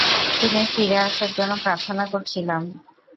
তুমি ফিরে আসার জন্য প্রার্থনা করছিলাম।